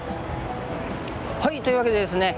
はいというわけでですね